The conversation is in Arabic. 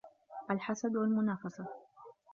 الْحَسَدُ وَالْمُنَافَسَةُ